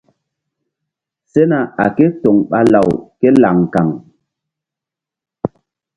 Sena a ké toŋ ɓa law ké laŋ kaŋ.